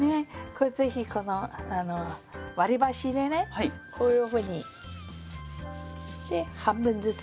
是非この割り箸でねこういうふうに。で半分ずつ。